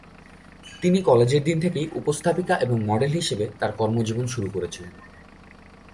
তিনি কলেজের দিন থেকেই উপস্থাপিকা এবং মডেল হিসাবে তার কর্মজীবন শুরু করেছিলেন।